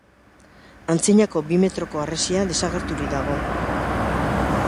Antzinako bi metroko harresia desagerturik dago.